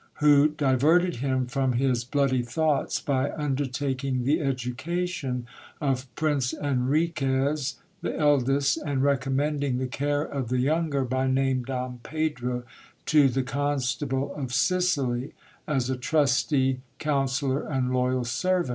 who diverted him from his bio jdy thoughts by undertaking the education Prino Enriquez, the eldest, and recommending the care of the younger, >n Pedro, to the con stable of Sicily, as a trusty counsellor and loyal servir."